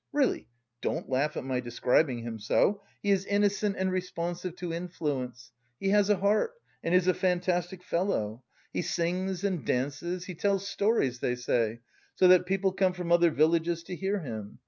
Really, don't laugh at my describing him so. He is innocent and responsive to influence. He has a heart, and is a fantastic fellow. He sings and dances, he tells stories, they say, so that people come from other villages to hear him.